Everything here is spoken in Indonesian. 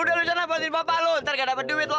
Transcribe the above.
udah lo jangan nabatin bapak lo ntar gak dapat duit lo